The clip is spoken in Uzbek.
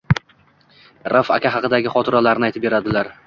Rauf aka xaqidagi xotiralarini aytib beradilar.